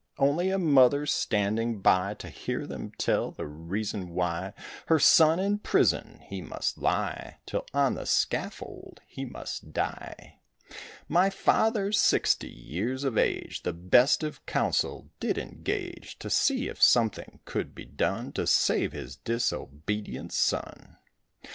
Only a mother standing by To hear them tell the reason why Her son in prison, he must lie Till on the scaffold he must die. My father, sixty years of age, The best of counsel did engage, To see if something could be done To save his disobedient son.